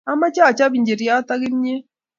Amache achop injiriot ak kimnyet